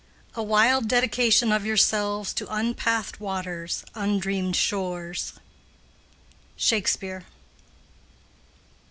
"A wild dedication of yourselves To unpath'd waters, undreamed shores." —SHAKESPEARE.